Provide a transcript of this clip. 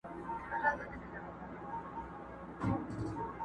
o تر يوې خرما دوې اوڅکي ښې دي!